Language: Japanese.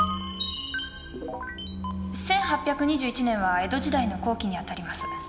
１８２１年は江戸時代の後期に当たります。